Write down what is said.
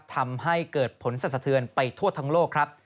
ทำให้เกิดผลสันสะเทือนไปทั่วทั้งโลกครับ